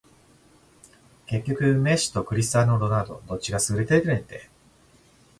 結局メッシとクリスティアーノ・ロナウドどっちが優れてるねんて